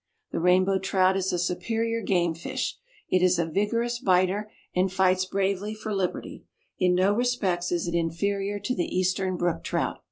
The Rainbow Trout is a superior game fish. It is a vigorous biter, and fights bravely for liberty. In no respects is it inferior to the Eastern Brook Trout.